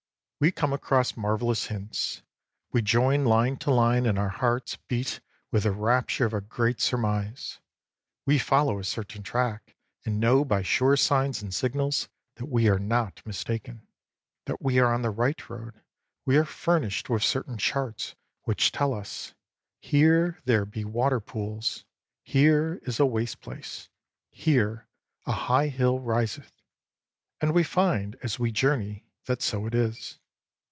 We come across marvellous hints, we join line to line and our hearts beat with the rapture of a great surmise; we follow a certain track and know by sure signs and signals that we are not mistaken, that we are on the right road; we are furnished with certain charts which tell us " here there be water pools," " here is a waste place," " here a high hill riseth," and we find as we journey that so it is.